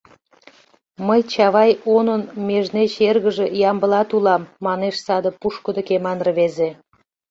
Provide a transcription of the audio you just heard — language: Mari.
Мый Чавай онын межнеч эргыже Ямблат улам, — манеш саде пушкыдо кеман рвезе.